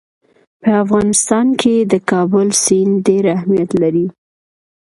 په افغانستان کې د کابل سیند ډېر اهمیت لري.